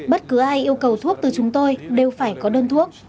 bất cứ ai yêu cầu thuốc từ chúng tôi đều phải có đơn thuốc